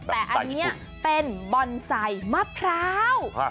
แต่อันนี้เป็นบอนไซค์มะพร้าว